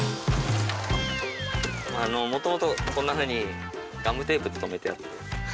もともとこんなふうにガムテープで留めてあって。